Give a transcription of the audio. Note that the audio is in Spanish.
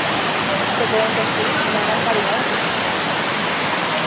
Se pueden conseguir una gran variedad de efectos.